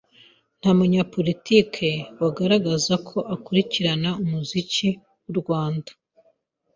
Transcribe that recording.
nta munyapolitiki wagaragaza ko akurikirana umuziki w’u Rwanda